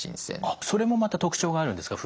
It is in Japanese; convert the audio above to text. あっそれもまた特徴があるんですか？